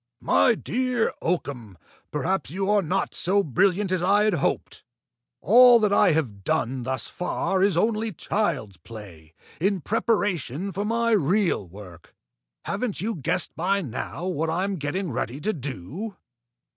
"My dear Oakham, perhaps you are not so brilliant as I had hoped! All that I have done thus far is only child's play, in preparation for my real work. Haven't you guessed by now what I am getting ready to do?"